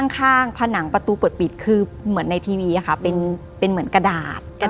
ข้างผนังประตูเปิดปิดคือเหมือนในทีวีค่ะเป็นเหมือนกระดาษ